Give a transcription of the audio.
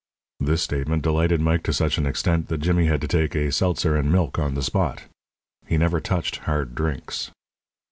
This statement delighted Mike to such an extent that Jimmy had to take a seltzer and milk on the spot. He never touched "hard" drinks.